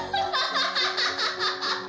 アハハハハ！